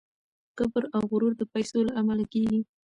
کبر او غرور د پیسو له امله کیږي.